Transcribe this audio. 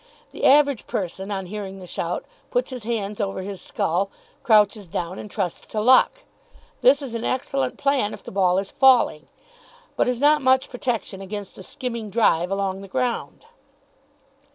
The average person, on hearing the shout, puts his hands over his skull, crouches down and trusts to luck. This is an excellent plan if the ball is falling, but is not much protection against a skimming drive along the ground.